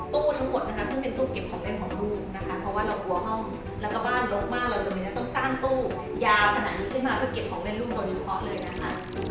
ทั้งหมดนะคะซึ่งเป็นตู้เก็บของเล่นของลูกนะคะเพราะว่าเรากลัวห้องแล้วก็บ้านลกมากเราจำเลยต้องสร้างตู้ยาวขนาดนี้ขึ้นมาเพื่อเก็บของเล่นลูกโดยเฉพาะเลยนะคะ